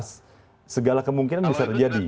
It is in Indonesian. segala kemungkinan bisa terjadi